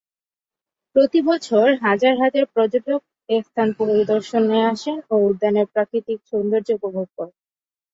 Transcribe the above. প্রতি বছর হাজার হাজার পর্যটক এ স্থান পরিদর্শনে আসেন ও উদ্যানের প্রাকৃতিক সৌন্দর্য উপভোগ করেন।